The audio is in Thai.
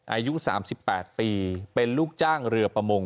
อายุ๓๘ปีเป็นลูกจ้างเรือประมง